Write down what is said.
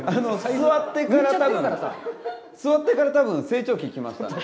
座ってからたぶん、座ってから成長期が来ましたね。